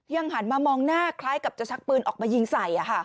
หันมามองหน้าคล้ายกับจะชักปืนออกมายิงใส่